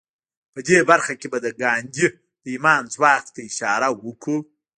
په دې برخه کې به د ګاندي د ايمان ځواک ته اشاره وکړو.